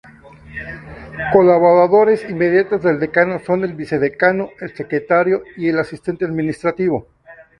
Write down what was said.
Colaboradores inmediatos del Decano son el Vicedecano, el Secretario y el asistente administrativo.